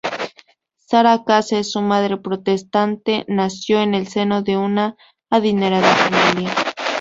Sara Case, su madre, protestante, nació en el seno de una adinerada familia.